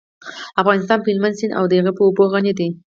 افغانستان په هلمند سیند او د هغې په اوبو غني دی.